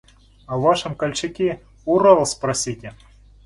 О вашем Колчаке – Урал спросите!